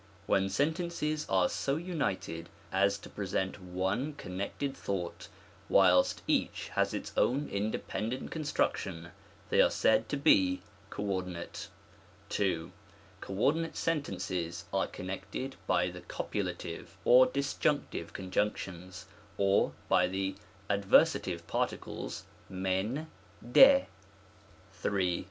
When sentences are so united as to present one connected thought, whilst each has its own independ ent construction, they are said to be coordinate. 2. Coordinate sentences are connected by the copu lative or disjunctive conjunctions, or by the adversa tive particles, /usv — dL 204 PARTIOLES. §142.